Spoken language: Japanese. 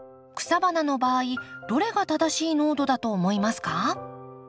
草花の場合どれが正しい濃度だと思いますか？